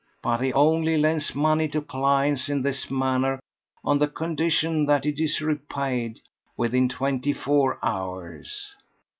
But he only lends money to clients in this manner on the condition that it is repaid within twenty four hours.